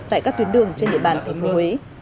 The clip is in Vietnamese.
tại các tuyến đường trên địa bàn thành phố huế